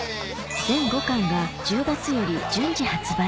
全５巻が１０月より順次発売